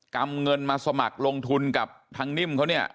ำเงินมาสมัครลงทุนกับทางนิ่มเขาเนี่ย